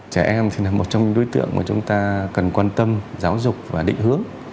trẻ em thì là một trong những đối tượng mà chúng ta cần quan tâm giáo dục và định hướng